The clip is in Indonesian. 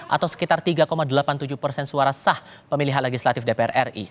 atau sekitar tiga delapan puluh tujuh persen suara sah pemilihan legislatif dpr ri